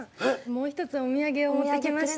もう一つお土産を持ってきました。